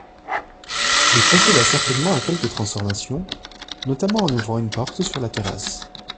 Il procéda certainement à quelques transformations, notamment en ouvrant une porte sur la terrasse.